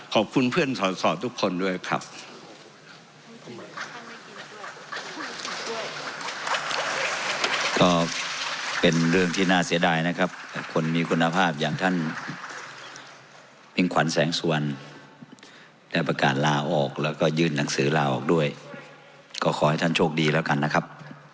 เพื่อนสอบทุกคนด้วยครับ